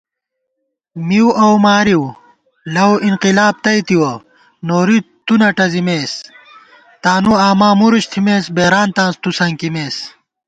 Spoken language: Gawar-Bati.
مِؤ اؤ مارِؤ لَؤ اِنقلاب تئیتُوَہ نوری تُو نہ ٹزِمېس * تانُوآما مُرُچ تھِمېس بېرانتاں تُوسنکِمېس